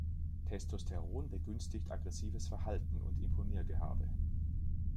Testosteron begünstigt aggressives Verhalten und Imponiergehabe.